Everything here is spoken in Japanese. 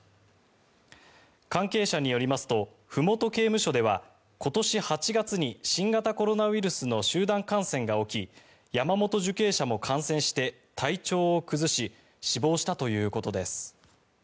関係者によりますと麓刑務所では今年８月に新型コロナウイルスの集団感染が起き山本受刑者も感染して体調を崩し死亡したということです。